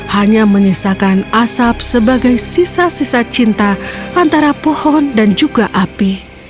hanya menyisakan asap sebagai sisa sisa cinta antara pohon dan juga api